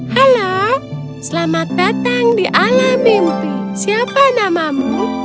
halo selamat datang di ala mimpi siapa namamu